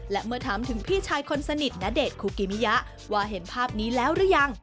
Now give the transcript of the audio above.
และเมื่อถามถึงพี่ชายคนสนิทณเดชนคุกิมิยะว่าเห็นภาพนี้แล้วหรือยัง